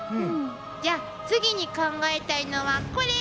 じゃあ次に考えたいのはこれ！